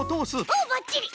おっばっちり！